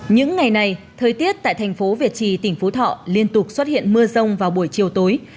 những ngày này thời tiết tại thành phố việt trì tỉnh phú thọ liên tục xuất hiện mưa rông vào buổi chiều tối